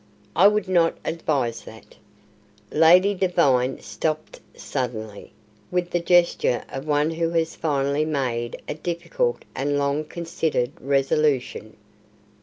"I would not advise that." Lady Devine stopped suddenly, with the gesture of one who has finally made a difficult and long considered resolution.